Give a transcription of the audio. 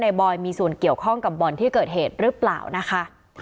ยังไม่พบว่าในบอลมีส่วนเกี่ยวข้องกับบอลที่เกิดเหตุหรือเปล่านะคะ